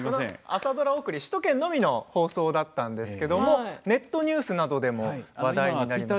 朝ドラ送りは首都圏のみの放送だったんですがネットニュースなどでも話題になりました。